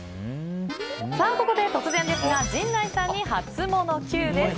ここで突然ですが陣内さんにハツモノＱです。